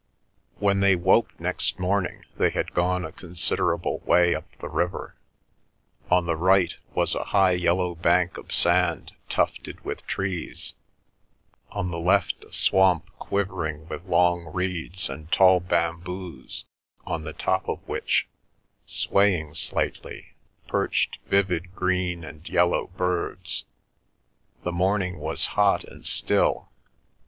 When they woke next morning they had gone a considerable way up the river; on the right was a high yellow bank of sand tufted with trees, on the left a swamp quivering with long reeds and tall bamboos on the top of which, swaying slightly, perched vivid green and yellow birds. The morning was hot and still.